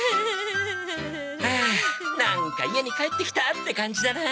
はあなんか家に帰ってきたって感じだなあ。